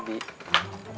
masih cemberut aja mi